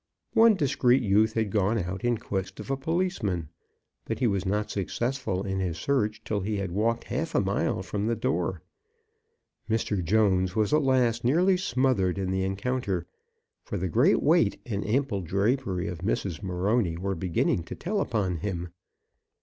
One discreet youth had gone out in quest of a policeman, but he was not successful in his search till he had walked half a mile from the door. Mr. Jones was at last nearly smothered in the encounter, for the great weight and ample drapery of Mrs. Morony were beginning to tell upon him.